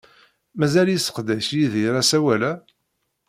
Mazal yesseqdac Yidir asawal-a?